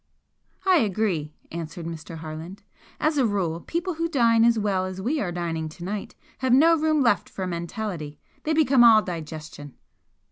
"I agree," answered Mr. Harland. "As a rule people who dine as well as we are dining to night have no room left for mentality they become all digestion!"